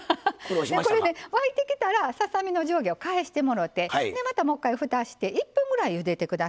沸いてきたらささ身の上下を返してもろてでまたもう一回ふたして１分ぐらいゆでて下さい。